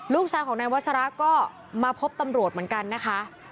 ลูกชายของนายวัชระก็มาพบตำรวจเหมือนกันนะคะ